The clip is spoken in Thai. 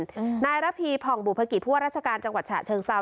อืมนายรพีผ่องบุพกิจพวกราชการจังหวัดฉะเชิงเซา